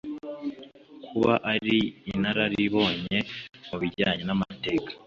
kuba ari inararibonye mubijyanye namateka.